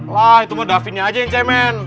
wah itu mah davinnya aja yang cemen